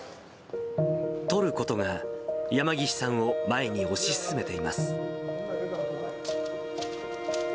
撮ることが山岸さんを前に押し進めています。